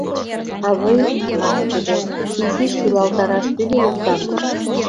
— Авый, — мане тудо, — изиш шӱлалтараш тӱгӧ луктам.